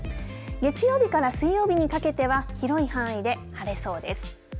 月曜日から水曜日にかけては広い範囲で晴れそうです。